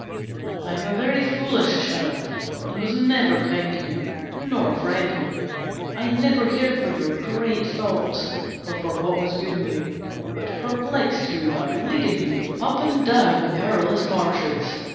'I am a very foolish child, and was never kind to you, nor friendly. I never cared for your great thoughts, or for what was good in you, but perplexed you by leading you up and down the perilous marshes.